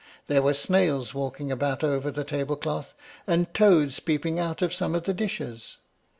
There were snails walking about over the table cloth, and toads peeping out of some of the dishes.